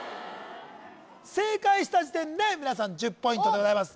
正解した時点で皆さん１０ポイントでございます